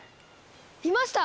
いました！